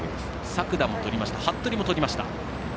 作田も取りました服部も取りました。